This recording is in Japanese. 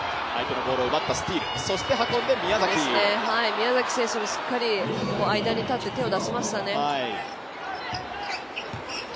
宮崎選手もしっかり間に立って手を出しましたね。